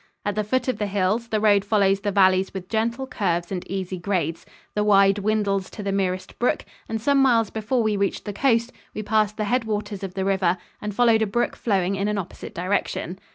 At the foot of the hills the road follows the valleys with gentle curves and easy grades. The Wye dwindles to the merest brook, and some miles before we reached the coast, we passed the head waters of the river and followed a brook flowing in an opposite direction.